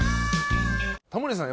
タモリさん